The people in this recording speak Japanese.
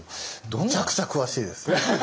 むちゃくちゃ詳しいです。